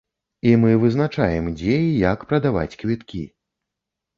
І мы вызначаем, дзе і як прадаваць квіткі.